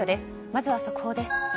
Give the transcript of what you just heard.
まずは速報です。